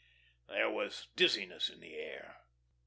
There was dizziness in the air.